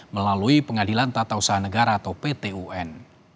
melalui pengadilan tata usaha negara atau pt un